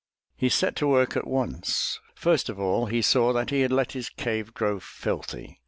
'' He set to work at once. First of all he saw that he had let his cave grow filthy.